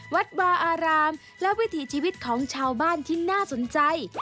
วัดวาอารามและวิถีชีวิตของชาวบ้านที่น่าสนใจ